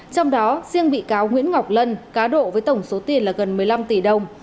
trong đó riêng bị cáo nguyễn ngọc lân cá độ với tổng số tiền là gần một mươi năm tỷ đồng